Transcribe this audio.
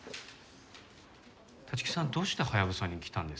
立木さんどうしてハヤブサに来たんですか？